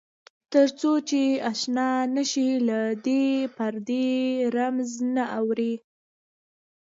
تر څو چې آشنا نه شې له دې پردې رمز نه اورې.